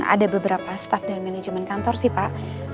ada beberapa staff dan manajemen kantor sih pak